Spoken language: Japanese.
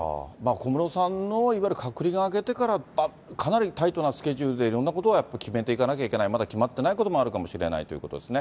小室さんのいわゆる隔離が明けてからかなりタイトなスケジュールでいろんなことをやっぱり決めていかなければいけない、まだ決まってないこともあるかもしれないということですね。